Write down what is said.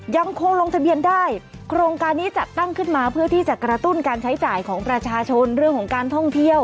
ยังคงลงทะเบียนได้โครงการนี้จัดตั้งขึ้นมาเพื่อที่จะกระตุ้นการใช้จ่ายของประชาชนเรื่องของการท่องเที่ยว